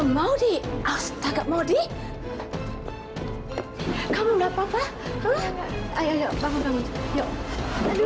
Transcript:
tuhan aku mau ngapain